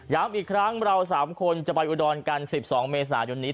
อีกครั้งเรา๓คนจะไปอุดรกัน๑๒เมษายนนี้